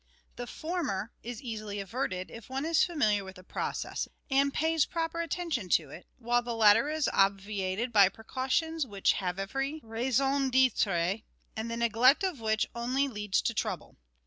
The former is easily averted if one is familiar with the process, and paj's proper attention to it, while the latter is obviated by precautions which have every raison d'etre, and the neglect of which only leads to trouble.